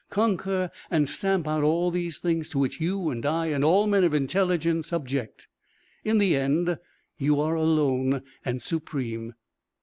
Conquer and stamp out all these things to which you and I and all men of intelligence object. In the end you are alone and supreme."